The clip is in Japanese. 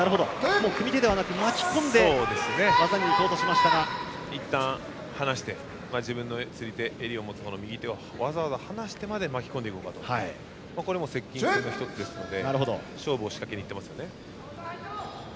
組み手ではなく巻き込んで技に行こうとしましたがいったん離して自分の釣り手襟を持つ方の右手をわざわざ離してまで巻き込んでいくとこれは接近戦の１つですので勝負を仕掛けにいってますね。